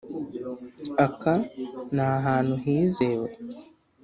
aka ni ahantu hizewe?